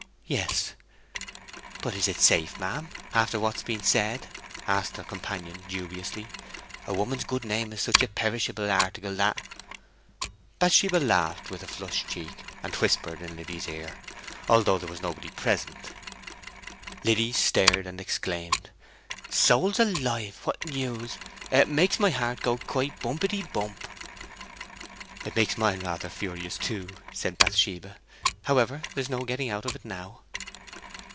"Yes." "But is it safe, ma'am, after what's been said?" asked her companion, dubiously. "A woman's good name is such a perishable article that—" Bathsheba laughed with a flushed cheek, and whispered in Liddy's ear, although there was nobody present. Then Liddy stared and exclaimed, "Souls alive, what news! It makes my heart go quite bumpity bump!" "It makes mine rather furious, too," said Bathsheba. "However, there's no getting out of it now!"